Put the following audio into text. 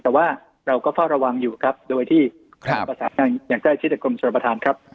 แต่ว่าเราก็เฝ้าระวังอยู่ครับโดยที่ครับอย่างใกล้ชิดกรมสรรพทานครับ